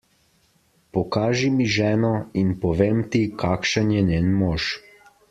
Pokaži mi ženo, in povem ti, kakšen je njen mož.